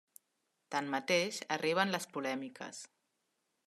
Tanmateix, arriben les polèmiques.